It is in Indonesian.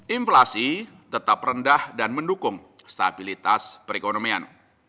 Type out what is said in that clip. inflasi tetap rendah dan mendukung stabilitas perekonomian